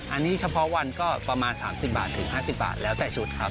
อันนี้เฉพาะวันก็ประมาณ๓๐บาทถึง๕๐บาทแล้วแต่ชุดครับ